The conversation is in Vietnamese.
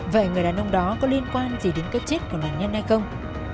vậy người đàn ông đó có liên quan gì đến cái chết của nạn nhân hay không